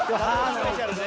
スペシャルで。